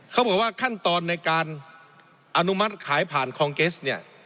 เขาบอกว่าขั้นตอนในการอนุมัติขายผ่านคองเกสเนี่ย